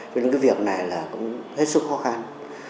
vì cái việc này là cũng hết sức khó khăn